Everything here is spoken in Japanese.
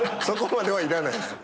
そこまではいらない。